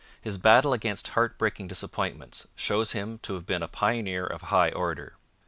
His battle against heartbreaking disappointments shows him to have been a pioneer of high order.